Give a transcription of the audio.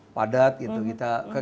kalau pas lebaran kan sekarang padat